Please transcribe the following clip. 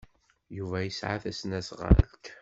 Yuba yesɛa tasnasɣalt.